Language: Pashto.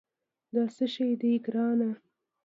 دا څه شي دي، ګرانه؟